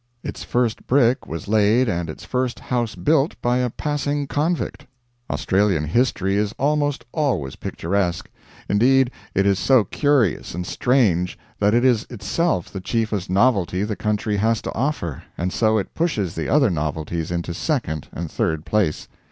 Its first brick was laid and its first house built by a passing convict. Australian history is almost always picturesque; indeed, it is so curious and strange, that it is itself the chiefest novelty the country has to offer, and so it pushes the other novelties into second and third place.